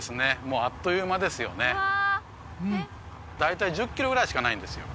もうあっという間ですよね大体１０キロぐらいしかないんですよ